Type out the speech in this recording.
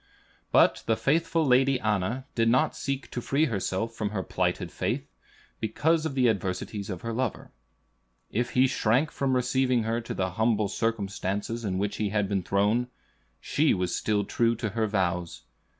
But the faithful Lady Anna did not seek to free herself from her plighted faith, because of the adversities of her lover. If he shrank from receiving her to the humble circumstances in which he had been thrown, she was still true to her vows.